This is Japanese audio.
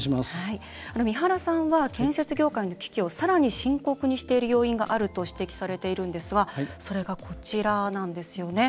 三原さんは建設業界の危機をさらに深刻にしている要因があると指摘されているんですがそれが、こちらなんですよね。